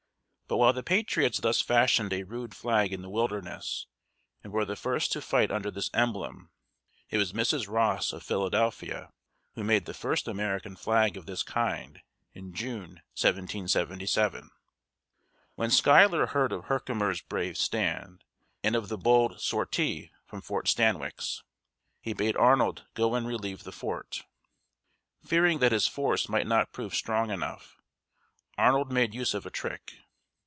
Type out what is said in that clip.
But while the patriots thus fashioned a rude flag in the wilderness, and were the first to fight under this emblem, it was Mrs. Ross, of Philadelphia, who made the first American flag of this kind, in June, 1777. When Schuyler heard of Herkimer's brave stand, and of the bold sortie from Fort Stanwix, he bade Arnold go and relieve the fort. Fearing that his force might not prove strong enough, Arnold made use of a trick.